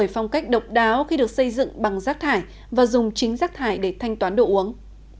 phong cách độc đáo khi được xây dựng bằng rác thải và dùng chính rác thải để thanh toán đồ uống